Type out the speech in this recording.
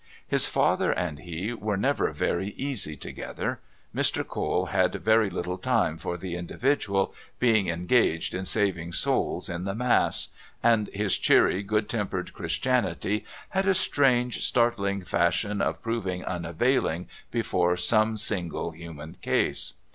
His father and he were never very easy together. Mr. Cole had very little time for the individual, being engaged in saving souls in the mass, and his cheery, good tempered Christianity had a strange, startling fashion of proving unavailing before some single human case.